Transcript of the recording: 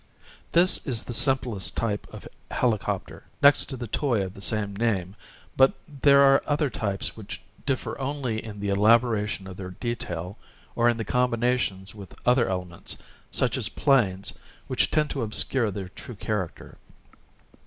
This is the simplest type of helicopter, next to the toy of the same name, but there are other types which differ only in the elaboration of their detail, or, in their combinations with other elements, such as planes, which tend to obscure their true character.